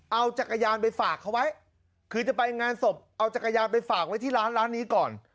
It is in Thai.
เอาจักรยานไปฝากเขาไว้คือจะไปงานศพเอาจักรยานไปฝากไว้ที่ร้านร้านนี้ก่อน